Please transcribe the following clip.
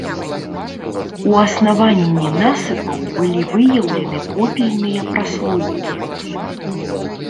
У аснаванні насыпаў былі выяўлены попельныя праслойкі.